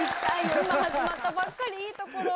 今始まったばっかりいいところ。